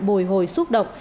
bồi hồi xúc động